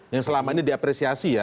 yang selama ini diapresiasi ya